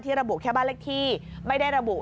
ระบุแค่บ้านเลขที่ไม่ได้ระบุ